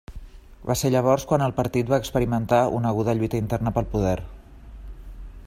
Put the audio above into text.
Va ser llavors quan el partit va experimentar una aguda lluita interna pel poder.